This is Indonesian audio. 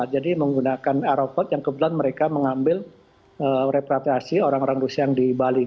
jadi menggunakan aerobat yang kebetulan mereka mengambil repatriasi orang orang rusia yang di bali